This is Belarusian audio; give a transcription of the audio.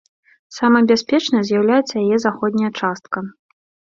Самай бяспечнай з'яўляецца яе заходняя частка.